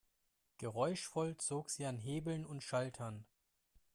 Geräuschvoll zog sie an Hebeln und Schaltern.